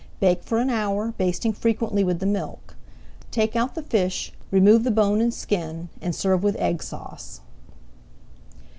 Bake for an hour, basting frequently with the milk. Take out the fish, remove the bone and skin, and serve with Egg Sauce.